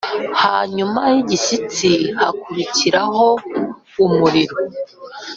Hanyuma y’igishyitsi hakurikiraho umuriro